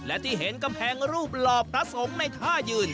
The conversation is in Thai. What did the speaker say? และที่เห็นกำแพงรูปหล่อพระสงฆ์ในท่ายืน